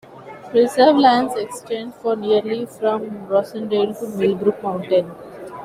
Preserve lands extend for nearly from Rosendale to Millbrook Mountain.